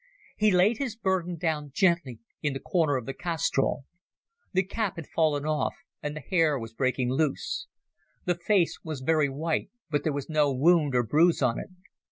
He laid his burden down gently in a corner of the castrol. The cap had fallen off, and the hair was breaking loose. The face was very white but there was no wound or bruise on it.